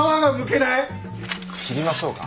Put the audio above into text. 切りましょうか？